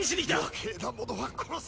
余計な者は殺せ！